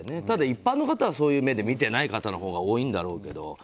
ただ一般の方はそういう目で見てない方が多いんだろうけど。